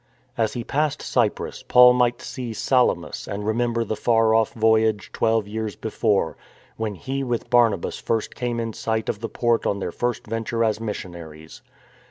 As he passed Cyprus, Paul might see Salamis and remember the far off voyage, twelve years before, when he with Barnabas first came in sight of the port on their first venture as missionaries.